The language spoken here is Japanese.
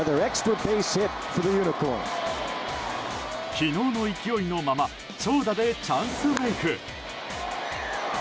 昨日の勢いのまま長打でチャンスメイク。